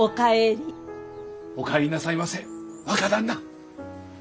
お帰りなさいませ若旦那。